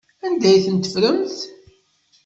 Anda ay t-teffremt?